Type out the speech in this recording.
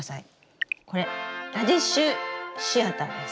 これラディッシュシアターです。